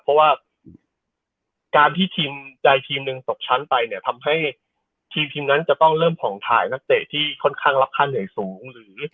เพราะว่าการที่ทีมใดทีมหนึ่งตกชั้นไปเนี่ยทำให้ทีมนั้นจะต้องเริ่มผ่องถ่ายนักเตะที่ค่อนข้างรับค่าเหนื่อยสูงหรือ